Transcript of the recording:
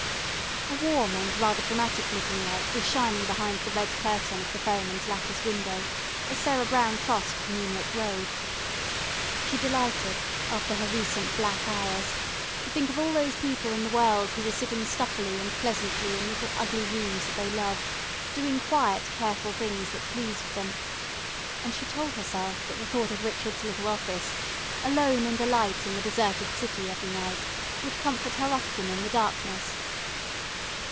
A warm and rather dramatic looking light was shining behind the red curtain of the ferryman's lattice window, as Sarah Brown crossed the moonlit road. She delighted, after her recent black hours, to think of all those people in the world who were sitting stuffily and pleasantly in little ugly rooms that they loved, doing quiet careful things that pleased them. And she told herself that the thought of Richard's little office, alone and alight in the deserted City every night, would comfort her often in the darkness.